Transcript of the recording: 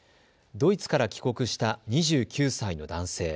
ドイツから帰国した２９歳の男性。